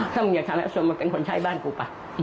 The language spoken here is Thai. ถ้ามึงอยากทำแบบนี้ส่วนมาเป็นคนใช้บ้านกูป่ะ